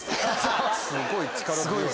すごい力強い。